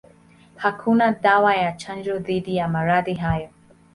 Hakuna dawa ya chanjo dhidi ya maradhi hayo.